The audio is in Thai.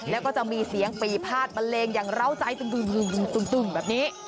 แล้วก็จะมีเสียงปีพาดบันเลงอย่างเหล้าใจตึงแบบนี้